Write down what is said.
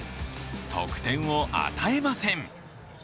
得点を与えません。